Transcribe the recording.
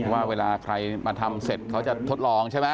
ว่าเวลาใครมาทำเสร็จเขาจะทดลองใช่ไหม